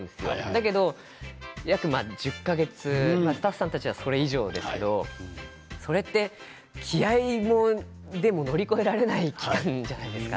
だけど約１０か月スタッフさんたちはそれ以上ですけれどそれって気合いでも乗り越えられない期間じゃないですか。